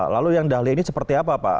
lalu yang dahli ini seperti apa pak